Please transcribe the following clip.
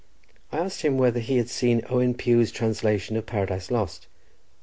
I asked him whether he had seen Owen Pugh's translation of Paradise Lost.